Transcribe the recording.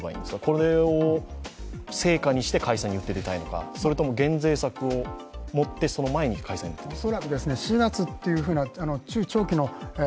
これを成果にして解散に打って出たいのか、それとも減税策を打ってその前に解散するのか。